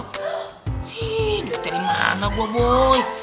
hii duitnya dimana gua boy